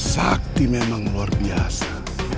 sakti memang luar biasa